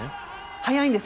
速いんです。